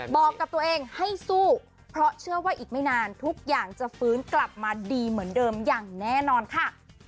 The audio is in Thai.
บอกกับตัวเองให้สู้เพราะเชื่อว่าอีกไม่นานทุกอย่างจะฟื้นกลับมาดีเหมือนเดิมอย่างแน่นอนค่ะ